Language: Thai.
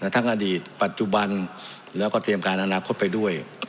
ทั้งอดีตปัจจุบันแล้วก็เตรียมการอนาคตไปด้วย